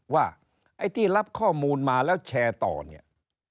ว่าไอ้ที่รับข้อมูลมาแล้วแชร์ต่อเนี่ย